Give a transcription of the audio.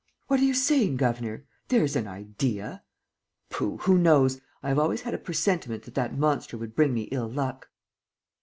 "What are you saying, governor? There's an idea!" "Pooh, who knows? I have always had a presentiment that that monster would bring me ill luck."